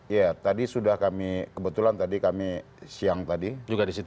iya tadi sudah kami kebetulan tadi kami siang tadi